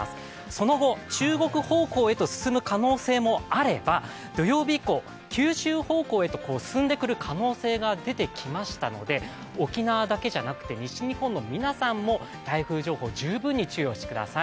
その後中国方向へと進む可能性もあれば土曜日以降、九州方向へと進んでくる可能性が出てきましたので沖縄だけじゃなくて、西日本の皆さんも台風情報、十分に注意をしてください。